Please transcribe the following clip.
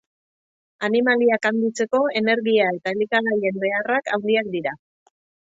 Animaliak handitzeko energia eta elikagaien beharrak handiak dira.